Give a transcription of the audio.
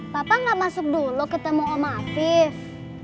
papa gak masuk dulu ketemu om afif